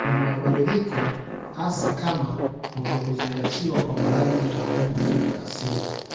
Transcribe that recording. Kuna mabadiliko hasi kama kutozingatiwa kwa baadhi ya tamaduni zetu za asili